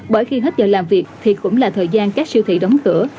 bởi khi hết giờ làm việc thì cũng là thời gian các siêu thị đóng cửa